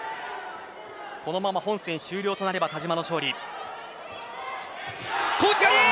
このまま本戦終了となれば田嶋の勝利です。